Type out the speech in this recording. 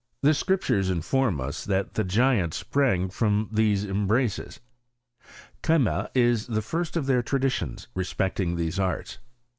The Scriptures inform us that tha giants sprang from these embraces. Chema is the first of their traditions respecting these arts.